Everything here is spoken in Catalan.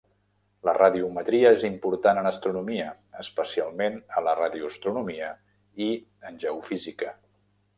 La radiometria és important en astronomia, especialment a la radioastronomia i en geofísica.